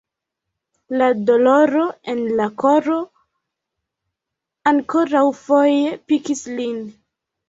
La doloro en la koro ankoraŭfoje pikis lin.